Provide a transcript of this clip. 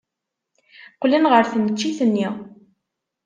Qqlen ɣer tneččit-nni.